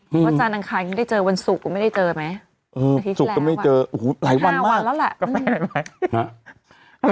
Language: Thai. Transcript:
วันจานังคัยไม่ได้เจอวันศุกร์ก็ไม่ได้เจอไหมอาทิตย์แรกศุกร์ก็ไม่เจอหูหลายวันมากห้าวันแล้วล่ะ